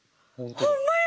ほんまや！